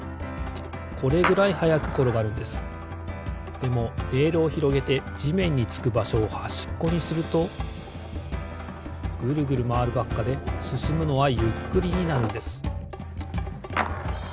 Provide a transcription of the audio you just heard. でもレールをひろげてじめんにつくばしょをはしっこにするとグルグルまわるばっかですすむのはゆっくりになるんです。